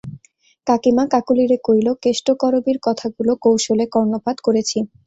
কাকীমা কাকলীরে কইল, কেষ্ট-করবীর কথাগুলো কৌশলে কর্ণপাত করেছি।